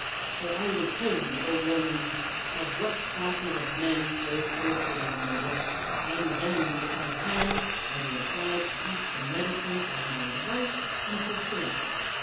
For I will tell you, Romans, of what classes of men those forces are made up, and then, if I can, I will apply to each the medi cine of my advice and persuasion.